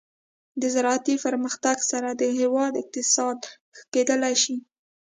د زراعتي پرمختګ سره د هیواد اقتصاد ښه کیدلی شي.